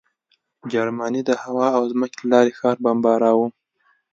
جرمني د هوا او ځمکې له لارې ښار بمباراوه